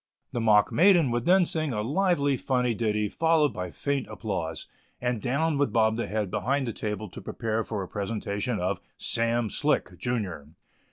The mock maiden would then sing a lively, funny ditty, followed by faint applause, and down would bob the head behind the table to prepare for a presentation of "Sam Slick, junior."